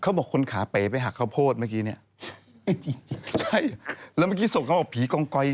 เขาบอกคนขาเป๋ไปหักข้าวโพดเมื่อกี้เนี่ย